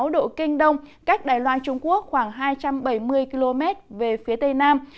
một trăm một mươi bảy sáu độ kinh đông cách đài loan trung quốc khoảng hai trăm bảy mươi km về phía tây nam